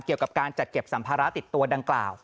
เกี่ยวกับการจัดเก็บสัมภาระติดตัวดังกล่าว